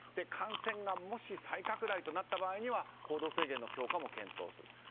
感染がもし再拡大となった場合は行動制限の強化も検討する。